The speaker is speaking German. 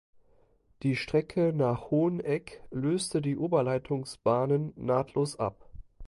Die Strecke nach Hoheneck löste die Oberleitungs-Bahnen nahtlos ab.